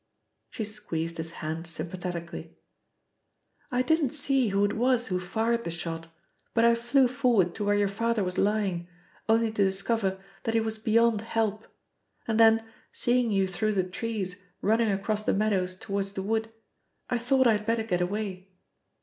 She squeezed his hand sympathetically. "I didn't see who it was who fired the shot, but I flew forward to where your father was lying, only to discover that he was beyond help, and then, seeing you through the trees running across the meadows toward the wood, I thought I had better get away.